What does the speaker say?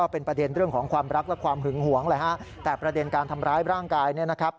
เพื่อเป็นการทำร้ายร่างกายนะครับ